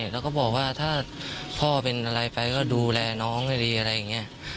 แล้วก็บอกว่าถ้าพ่อเป็นอะไรไปก็ดูแลน้องให้ดีอะไรอย่างนี้